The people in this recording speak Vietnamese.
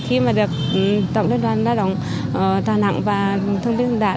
khi mà được tổng đất đoàn lao động đà nẵng và thông tin lãnh đạo